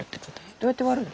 どうやって割るの？